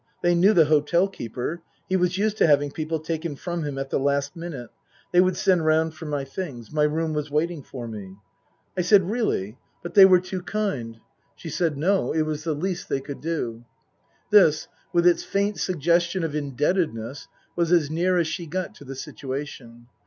They knew the hotel keeper. He was used to having people taken from him at the last minute. They would send round for my things. My room was waiting for me. I said, Really ? But they were too kind Book I : My Book 91 She said, No. It was the least they could do. This, with its faint suggestion of indebtedness, was as near as she got to the situation.